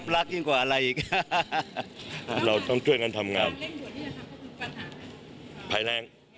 เราต้องช่วยกันทำงาน